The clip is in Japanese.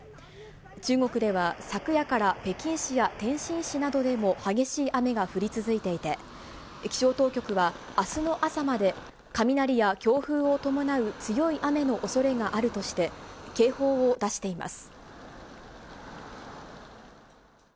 中国では、昨夜から北京市や天津市などでも激しい雨が降り続いていて、気象当局は、あすの朝まで、雷や強風を伴う強い雨のおそれがあるとして、警報を出しています。